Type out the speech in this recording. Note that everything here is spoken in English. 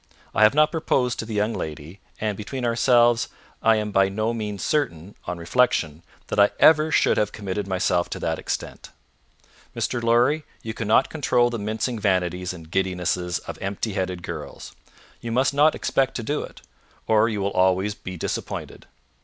I have not proposed to the young lady, and, between ourselves, I am by no means certain, on reflection, that I ever should have committed myself to that extent. Mr. Lorry, you cannot control the mincing vanities and giddinesses of empty headed girls; you must not expect to do it, or you will always be disappointed.